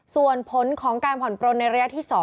ส่วนผลของการผ่อนปลนในระยะที่๒